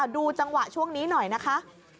ดูจังหวะช่วงนี้หน่อยนะคะ